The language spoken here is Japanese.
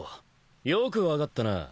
よく分かったな。